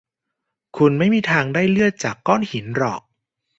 คุณไม่มีทางได้เลือดจากก้อนหินหรอก